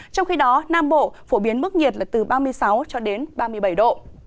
trong khi đó nam bộ phổ biến mức nhiệt là từ ba mươi sáu ba mươi bảy độ